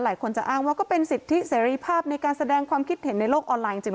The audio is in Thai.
หลายคนจะอ้างว่าก็เป็นสิทธิเสรีภาพในการแสดงความคิดเห็นในโลกออนไลน์จริง